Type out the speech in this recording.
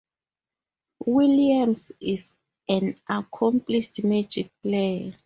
Williams is an accomplished "Magic" player.